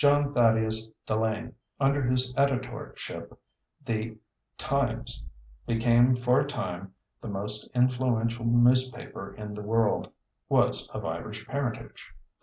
John Thaddeus Delane, under whose editorship the Times became for a time the most influential newspaper in the world, was of Irish parentage.